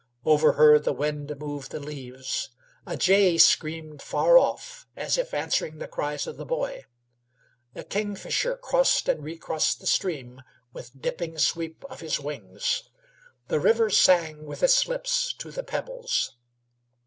Over her the wind moved the leaves. A jay screamed far off, as if answering the cries of the boy. A kingfisher crossed and recrossed the stream with dipping sweep of his wings. The river sang with its lips to the pebbles.